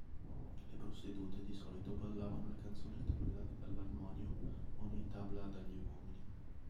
Le prostitute di solito ballavano le canzoni interpretate all'armonium o nei tabla dagli uomini.